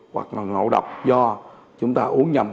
hoặc ngộ độc do chúng ta uống nhầm